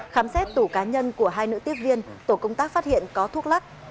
khám xét tủ cá nhân của hai nữ tiếp viên tổ công tác phát hiện có thuốc lắc